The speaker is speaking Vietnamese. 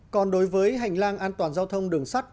còn đối với hành lang an toàn giao thông đường sắt